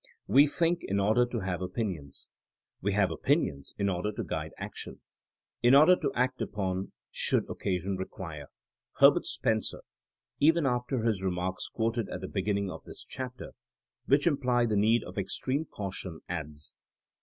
We think in order to have opinions. We have opinions in order to guide action; in order to act upon should occasion require. Herbert Spencer, even after his remarks quoted at the beginning of this chapter, which imply the need of extreme caution, adds, .